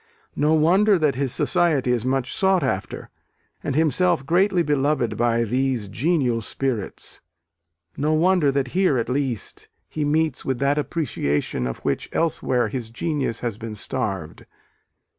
No wonder that his society is much sought after, and himself greatly beloved by these congenial spirits; no wonder that here, at least, he meets with that appreciation of which elsewhere his genius has been starved.